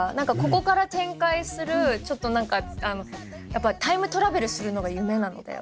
ここから展開するタイムトラベルするのが夢なので私は。